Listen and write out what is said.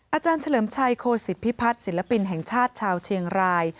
อาจารย์เฉลิมชัยโคสิตพิพัฒน์ศิลปินแห่งชาติชาวเชียงราย